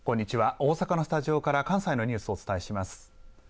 大阪のスタジオから関西のニュースをお伝えします。